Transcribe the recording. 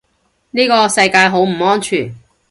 呢個世界好唔安全